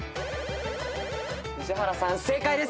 宇治原さん正解です。